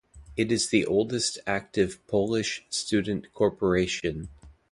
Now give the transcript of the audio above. It is the oldest active Polish student corporation.